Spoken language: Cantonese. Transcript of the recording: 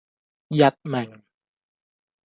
佚名